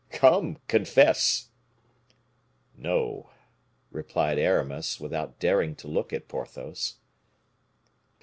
Come, confess." "No," replied Aramis, without daring to look at Porthos.